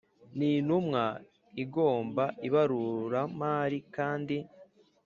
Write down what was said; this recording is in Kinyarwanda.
n Intumwa igomba ibaruramari kandi